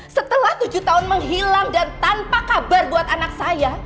setelah tujuh tahun menghilang dan tanpa kabar buat anak saya